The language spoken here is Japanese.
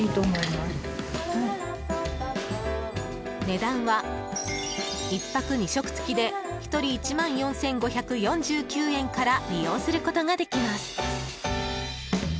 値段は１泊２食付きで１人１万４５４９円から利用することができます。